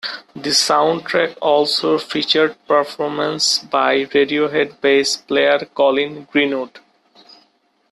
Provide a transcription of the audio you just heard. The soundtrack also featured performances by Radiohead bass player Colin Greenwood.